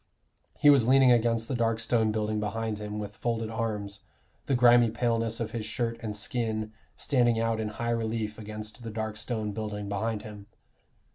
He was leaning against the dark stone building behind him with folded arms, the grimy paleness of his shirt and skin standing out in high relief against the dark stone building behind him.